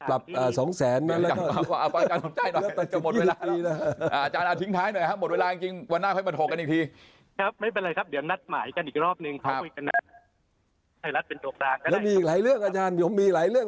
แล้วก็อาจารย์สมใจหน่อยจะหมดเวลา